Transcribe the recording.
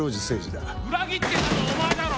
裏切ってるのはお前だろ！